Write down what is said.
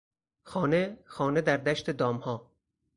خانه، خانه در دشت دامها...